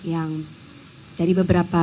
yang jadi beberapa